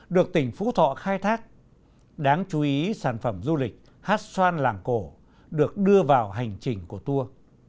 và hành trình phú thọ khai thác đáng chú ý sản phẩm du lịch hát xoan làng cổ được đưa vào hành trình của tour